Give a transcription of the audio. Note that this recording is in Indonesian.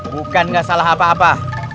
bukan nggak salah apa apa